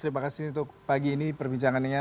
terima kasih untuk pagi ini perbincangannya